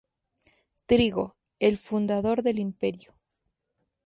Trigo, el fundador del Imperio.